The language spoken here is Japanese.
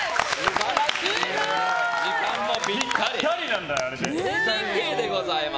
時間もぴったり。